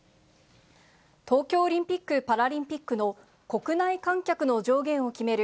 東京オリンピック・パラリンピックの国内観客の上限を決める